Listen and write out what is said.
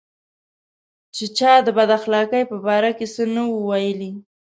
چې چا د بد اخلاقۍ په باره کې څه نه وو ویلي.